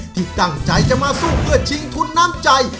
ที่ตั้งใจจะมาสู้เพื่อชิงทุนน้ำใจ